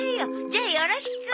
じゃあよろしく。